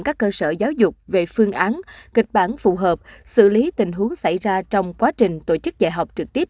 các cơ sở giáo dục về phương án kịch bản phù hợp xử lý tình huống xảy ra trong quá trình tổ chức dạy học trực tiếp